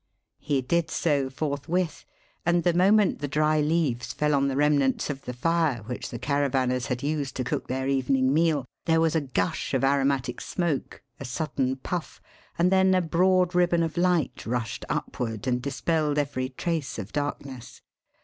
He did so forthwith; and the moment the dry leaves fell on the remnants of the fire which the caravanners had used to cook their evening meal there was a gush of aromatic smoke, a sudden puff, and then a broad ribbon of light rushed upward and dispelled every trace of darkness.